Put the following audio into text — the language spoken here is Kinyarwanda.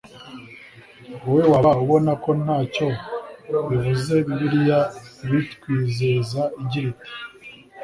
wowe waba ubona ko nta cyo bivuze Bibiliya ibitwizeza igira iti